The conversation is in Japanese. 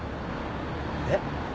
えっ？